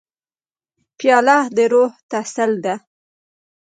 پیاله د روح تسل ده.